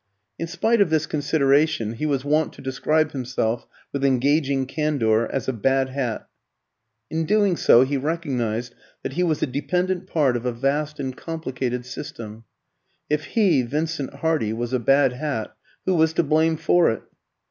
In spite of this consideration, he was wont to describe himself with engaging candour as a "bad hat." In doing so he recognised that he was a dependent part of a vast and complicated system. If he, Vincent Hardy, was a bad hat, who was to blame for it?